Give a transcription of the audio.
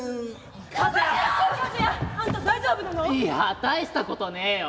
「いや大したことねえよ。